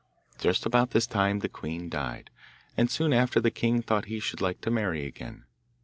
Just about this time the queen died, and soon after the king thought he should like to marry again.